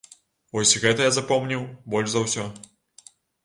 Вось гэта я запомніў больш за ўсё.